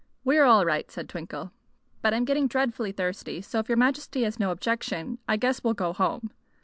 "We are all right," said Twinkle; "but I'm getting dreadful thirsty, so if your Majesty has no objection I guess we'll go home."